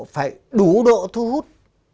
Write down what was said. phải đủ độ thu hút